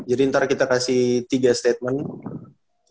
jadi ntar kita kasih tiga statement